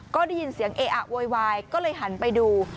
ก็ได้ยินเสียงเออะโวยวายก็เลยหันไปดู